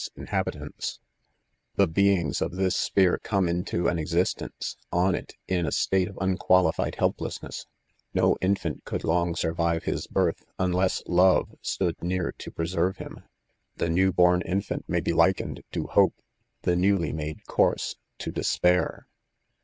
#4 ^111 PBEFAGfi The beings of this sphere come into an existence, on it, in a state of unqualified helplessness* , No infant could long survive his birth, unless " Love" stood near to pre serve him. The new horn infant may be likened to Hope — the newly made coise to Despair.